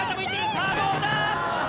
さあどうだ！